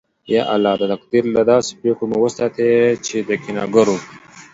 یا الله! د تقدیر له داسې پرېکړو مو وساتې چې د کینه گرو